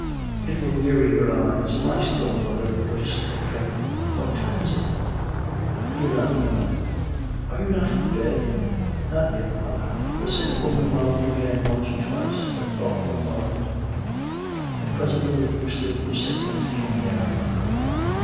" It will weary your eyes. Lie still, mother, and go to sleep again." " Wliat time is it? "" I do not know." " Are you not in bed ?"" Not yet, mother." The sick woman moaned again once or twice, tut thought no more of it. And presently the deep sleep of sickness came down on her again.